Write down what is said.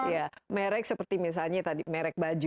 ya merek seperti misalnya tadi merek baju